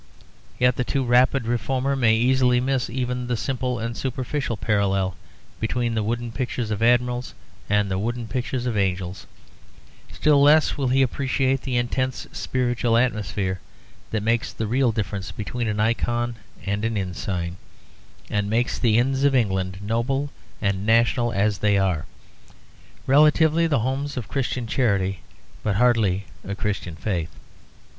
Yet the too rapid reformer may easily miss even the simple and superficial parallel between the wooden pictures of admirals and the wooden pictures of angels. Still less will he appreciate the intense spiritual atmosphere, that makes the real difference between an ikon and an inn sign, and makes the inns of England, noble and national as they are, relatively the homes of Christian charity but hardly a Christian faith.